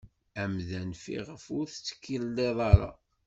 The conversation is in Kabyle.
Amdan fiɣef ur tettkilleḍ ara.